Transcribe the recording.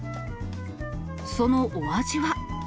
そのお味は。